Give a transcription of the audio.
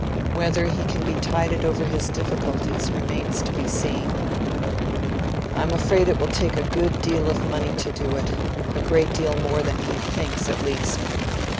Whether he can be tided over his difficulties remains to be seen. I'm afraid it will take a good deal of money to do it a great deal more than he thinks, at least.